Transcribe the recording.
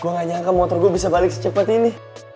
gue gak nyangka motor gue bisa balik secepat ini